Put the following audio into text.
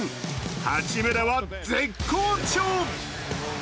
八村は絶好調。